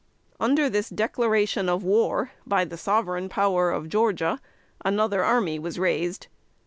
Under this declaration of war by the sovereign power of Georgia, another army was raised.